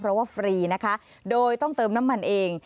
เพราะว่าฟรีนะคะโดยต้องเติมน้ำมันเอง